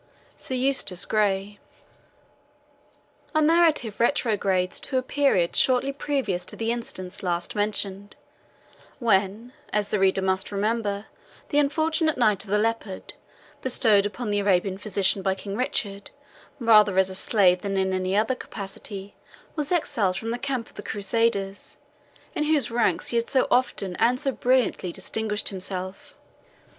SIR EUSTACE GREY. Our narrative retrogrades to a period shortly previous to the incidents last mentioned, when, as the reader must remember, the unfortunate Knight of the Leopard, bestowed upon the Arabian physician by King Richard, rather as a slave than in any other capacity, was exiled from the camp of the Crusaders, in whose ranks he had so often and so brilliantly distinguished himself.